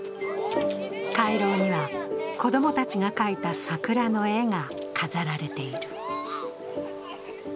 回廊には、子供たちが描いた桜の絵が飾られている。